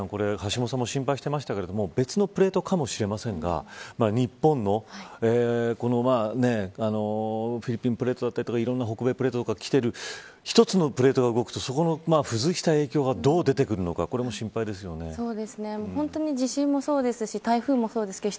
ちゃん橋下さんも心配していましたけど別のプレートかもしれませんが日本もフィリピンプレートだったりとか北米プレートがいろいろきている１つのプレートが動くとそこの付随したプレートの影響がどう出てくるのか心配ですね。